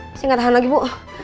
pasti ga tahan lagi bu